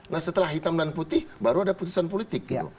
nah setelah hitam dan putih baru ada putusan politik gitu